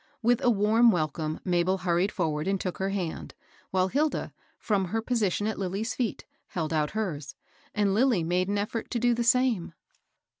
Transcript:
With a warm welcome Mabel hurried forward and took her hand, while Hilda, from her position at Lilly's feet, held out hers, and Lilly made an effort to do the same.